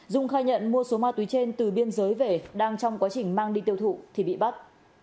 dung khai nhận mua số ma túy trên từ biên giới về đang trong quá trình mang đi tiêu thụ thì bị bắt